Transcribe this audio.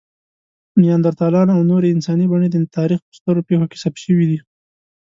نیاندرتالان او نورې انساني بڼې د تاریخ په سترو پېښو کې ثبت شوي دي.